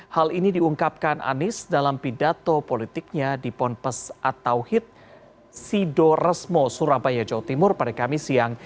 hal ini diungkapkan anies dalam pidato politiknya di ponpes atau hit sido resmo surabaya jawa timur pada kamis siang